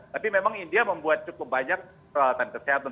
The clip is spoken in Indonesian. tapi memang india membuat cukup banyak peralatan kesehatan